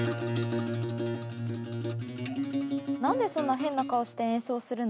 なんでそんな変な顔して演奏するの？